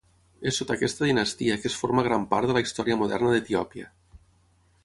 És sota aquesta dinastia que es forma gran part de la història moderna d'Etiòpia.